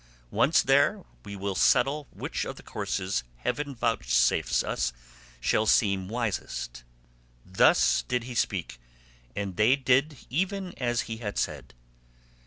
Once there, we will settle which of the courses heaven vouchsafes us shall seem wisest." Thus did he speak, and they did even as he had said.